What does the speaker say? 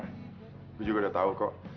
gue juga udah tau kok